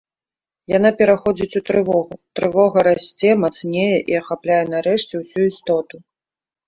Яна пераходзіць у трывогу, трывога расце, мацнее і ахапляе нарэшце ўсю істоту.